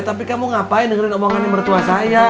tapi kamu ngapain dengerin omongan mertua saya